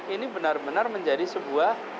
ini benar benar menjadi sebuah